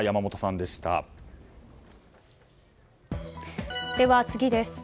では次です。